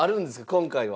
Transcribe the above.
今回は。